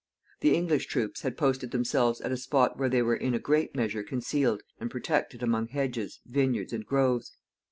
The English troops had posted themselves at a spot where they were in a great measure concealed and protected among hedges, vineyards, and groves.